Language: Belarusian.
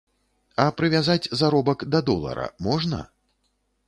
А прывязаць заробак да долара можна?